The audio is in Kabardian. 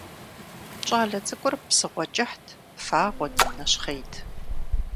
ЩӀалэ цӀыкӀур псыгъуэ кӀыхьт, фагъуэт, нэщхъейт.